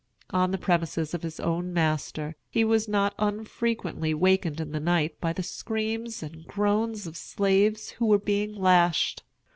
On the premises of his own master, he was not unfrequently wakened in the night by the screams and groans of slaves who were being lashed.